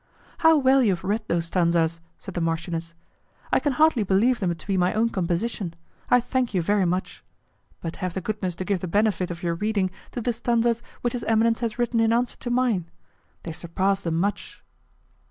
"How well you have read those stanzas!" said the marchioness; "I can hardly believe them to be my own composition; I thank you very much. But have the goodness to give the benefit of your reading to the stanzas which his eminence has written in answer to mine. They surpass them much."